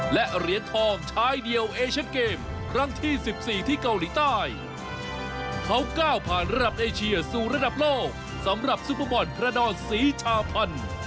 พาระดอนศรีชาพันธุ์